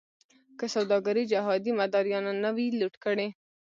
که سوداګري جهادي مداریانو نه وی لوټ کړې.